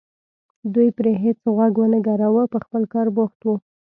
دوی پرې هېڅ غوږ ونه ګراوه په خپل کار بوخت وو.